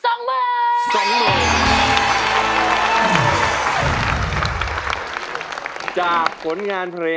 จากผลงานเพลงของคุณพ่องศรีวารณุฏนะครับ